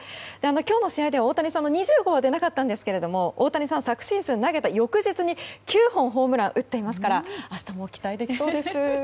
今日の試合では大谷さんは２０号は出なかったんですが昨シーズンは投げた翌日に９本ホームラン打っていますから明日も期待できそうです。